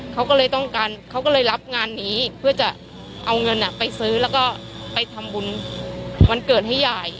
เขาก็เลยต้องการเขาก็เลยรับงานนี้เพื่อจะเอาเงินไปซื้อแล้วก็ไปทำบุญวันเกิดให้ยาย